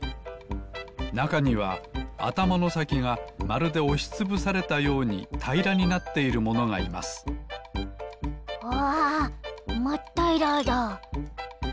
なかにはあたまのさきがまるでおしつぶされたようにたいらになっているものがいますわまったいらだ！